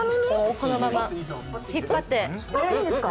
このまま引っ張って。